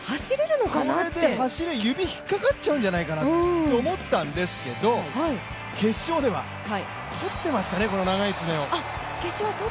指ひっかかっちゃうんじゃないかなと思うんですけど、決勝ではとってましたね、この長い爪を。